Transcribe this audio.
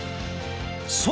そう！